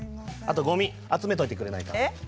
あと、ごみ集めてくれないか。